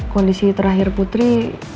kondisi terakhir putri